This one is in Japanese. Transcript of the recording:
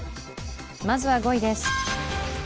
まずは５位です。